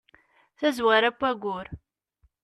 tazwara n wayyur